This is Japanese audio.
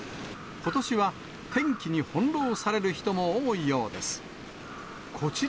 ことしは天気に翻弄される人も多いようです。